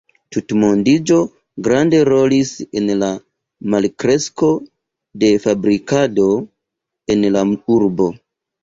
Tutmondiĝo grande rolis en la malkresko de fabrikado en la urbo.